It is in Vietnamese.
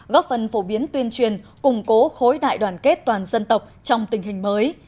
góp phần phổ biến tuyên truyền củng cố khối đại đoàn kết toàn dân tộc trong tình hình mới